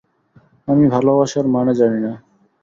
আমি ভালবাসার মানে জানি না।